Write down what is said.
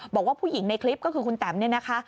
บอกว่าผู้หญิงในคลิปก็คือคุณแตมเนี่ยนะคะ